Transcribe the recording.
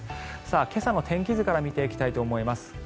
今朝の天気図から見ていきたいと思います。